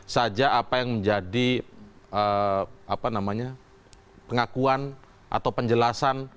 saya ingin menjelaskan saja apa yang menjadi pengakuan atau penjelasan